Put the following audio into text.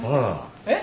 えっ？